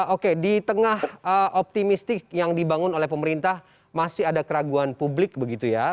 oke di tengah optimistik yang dibangun oleh pemerintah masih ada keraguan publik begitu ya